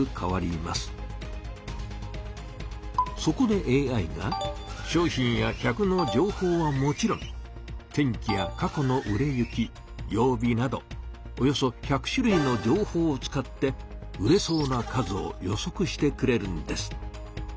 そこでＡＩが商品や客の情報はもちろん天気や過去の売れ行き曜日などおよそ１００種類の情報を使って売れそうな数を予測してくれるんです！